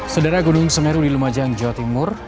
sedera gunung semeru di lumajang jawa timur